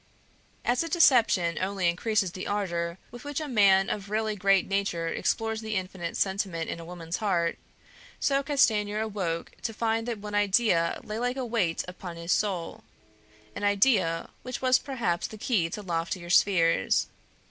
As a deception only increases the ardor with which a man of really great nature explores the infinite of sentiment in a woman's heart, so Castanier awoke to find that one idea lay like a weight upon his soul, an idea which was perhaps the key to loftier spheres.